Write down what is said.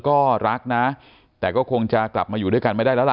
ก็รักนะแต่ก็คงจะกลับมาอยู่ด้วยกันไม่ได้แล้วล่ะ